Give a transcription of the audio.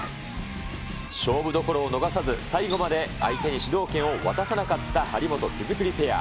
勝負どころを逃さず、最後まで相手に主導権を渡さなかった張本・木造ペア。